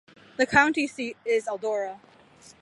The county seat is Eldora.